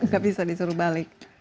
gak bisa disuruh balik